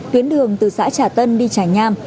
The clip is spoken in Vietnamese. tuyến đường từ xã trà tân đi trà nham